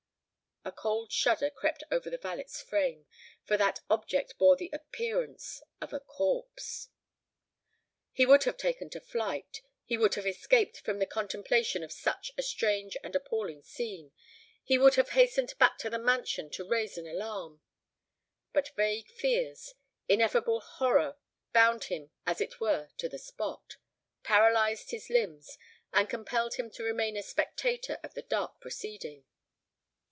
A cold shudder crept over the valet's frame; for that object bore the appearance of a corpse! He would have taken to flight—he would have escaped from the contemplation of such a strange and appalling scene—he would have hastened back to the mansion to raise an alarm;—but vague fears—ineffable horror bound him as it were to the spot—paralysed his limbs—and compelled him to remain a spectator of the dark proceeding.